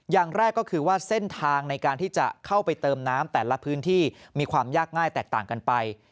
อย่างแรกก็คือว่าเส้นทางในการที่จะเข้าไปเติมน้ำแต่ละพื้นที่มีความยากง่ายแตกต่างกันไป